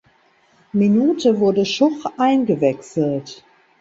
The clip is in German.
Minute wurde Schuch eingewechselt.